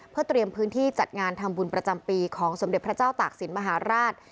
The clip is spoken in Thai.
เพื่อเตรียมพื้นที่จัดงานทำบุญประจำปีของสมเด็จพระเจ้าตากศิลปมหาราช